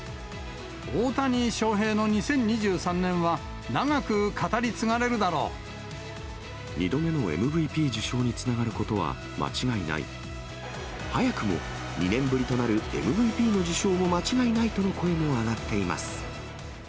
大谷翔平の２０２３年は長く２度目のＭＶＰ受賞につなが早くも、２年ぶりとなるＭＶＰの受賞も間違いないとの声も上がっています。